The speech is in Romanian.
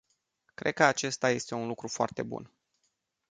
Cred că acesta este un lucru foarte bun.